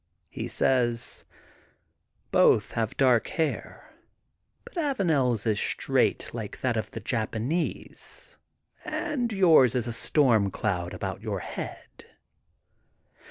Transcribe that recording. He says: Both have dark hair, but AvanePs is straight like that of the Japanese, and yours is a storm cloud about your head.